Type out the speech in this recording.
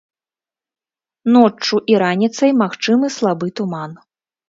Ноччу і раніцай магчымы слабы туман.